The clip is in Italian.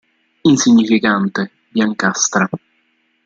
Insignificante, biancastra.